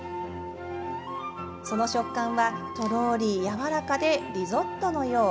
その食感は、とろーりやわらかでリゾットのよう。